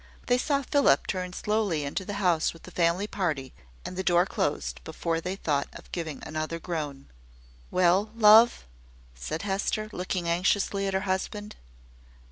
They saw Philip turn slowly into the house with the family party, and the door closed, before they thought of giving another groan. "Well, love!" said Hester, looking anxiously at her husband.